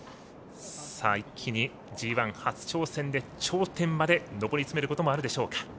一気にＧＩ初挑戦で頂点まで上り詰めることもあるでしょうか。